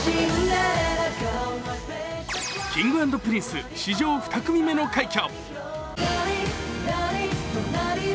Ｋｉｎｇ＆Ｐｒｉｎｃｅ史上２組目の快挙。